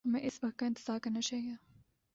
ہمیں اس وقت کا انتظار کرنا چاہیے۔